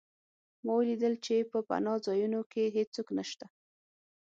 ما ولیدل چې په پناه ځایونو کې هېڅوک نشته